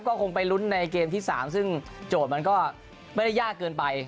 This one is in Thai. ก็คงไปลุ้นในเกมที่๓ซึ่งโจทย์มันก็ไม่ได้ยากเกินไป